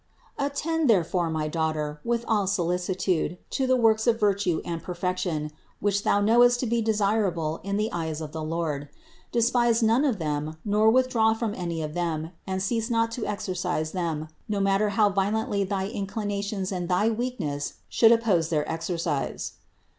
Attend therefore, my daughter, with all solici tude to the works of virtue and perfection, which thou knowest to be desirable in the eyes of the Lord. De spise none of them nor withdraw from any of them and THE INCARNATION 173 cease not to exercise them, no matter how violently thy inclinations and thy weakness should oppose their exer cise.